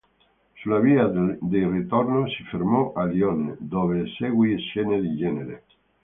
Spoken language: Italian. Sulla via del ritorno si fermò a Lione, dove eseguì scene di genere.